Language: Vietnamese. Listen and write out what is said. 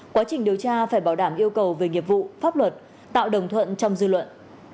quá trình điều tra phải bảo đảm yêu cầu về nghiệp vụ pháp luật tạo đồng thuận trong dư luận